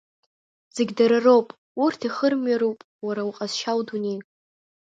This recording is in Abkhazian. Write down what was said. Зегь дара роуп, урҭ ихырымҩароуп уара уҟазшьа, удунеи…